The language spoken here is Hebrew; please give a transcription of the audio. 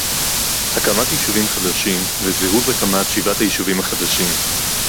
הקמת יישובים חדשים וזירוז הקמת שבעת היישובים החדשים